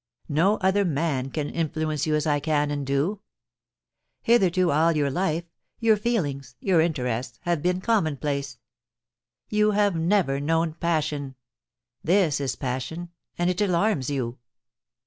No other man can influence you as I can and do. Hitherto, all your life, your feelings, your interests, have been commonplace. You have never known passion. This is passion, and it alarms you.'